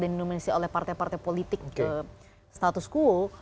dan didominasi oleh partai partai politik ke status kool